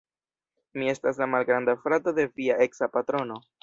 Mi estas la malgranda frato de via eksa patrono